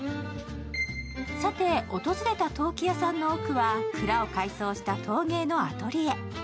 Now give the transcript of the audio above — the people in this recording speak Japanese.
さて、訪れた陶器屋さんの奥は蔵を改装した陶芸のアトリエ。